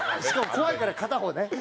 怖いから片方。